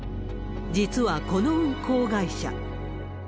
実はこの運行会社。